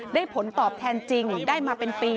ผลตอบแทนจริงได้มาเป็นปี